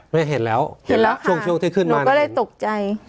ไม่เห็นแล้วเห็นแล้วช่วงที่ขึ้นมาก็เลยตกใจ